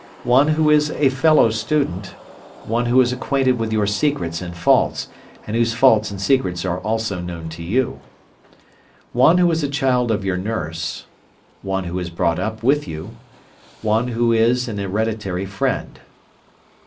One who is a fellow student. One who is acquainted with your secrets and faults, and whose faults and secrets are also known to you. One who is a child of your nurse. One who is brought up with you. One who is an hereditary friend.